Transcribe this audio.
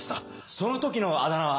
その時のあだ名は？